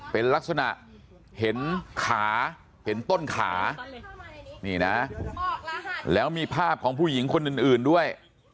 เป็นลักษณะเห็นขาเห็นต้นขานี่นะแล้วมีภาพของผู้หญิงคนอื่นด้วย